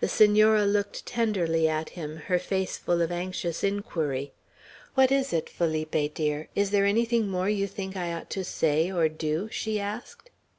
The Senora looked tenderly at him, her face full of anxious inquiry. "What is it, Felipe dear? Is there anything more you think I ought to say or do?" she asked.